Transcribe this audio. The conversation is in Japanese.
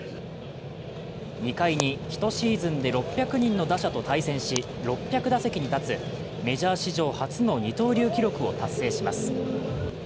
２回に１シーズンで６００人の打者と対戦し、６００打席に立つメジャー史上初の二刀流記録を達成します。